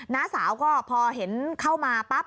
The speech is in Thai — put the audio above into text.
น้าสาวก็พอเห็นเข้ามาปั๊บ